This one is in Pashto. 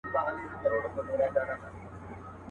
نه په كار مي پاچهي نه خزانې دي.